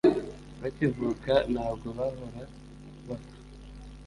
bakivuka, ntabwo bahora bapfa,